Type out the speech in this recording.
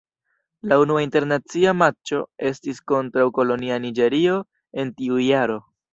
La unua internacia matĉo estis kontraŭ kolonia Niĝerio en tiu jaro.